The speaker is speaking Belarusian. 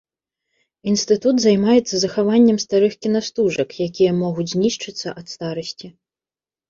Інстытут займаецца захаваннем старых кінастужак, якія могуць знішчыцца ад старасці.